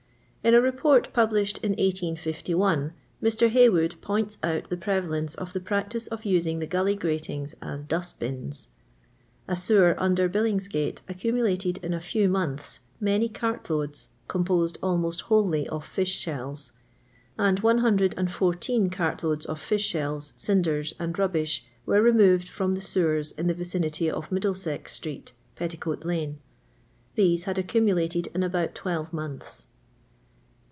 In a report, published in 1851, Mr. Haywood points out the prevalence of the practice of using the gully gratings ns dustbins! A sewer under Billingsigate accumulated in a few months many cart loads, composed almost wholly of fish shells; and 114 cart loads of fish shells, cinders, and rubbish were removed from the sewers in the vicinity of Middlesex street (Petticoat lane); these had accumulated in about twelve months.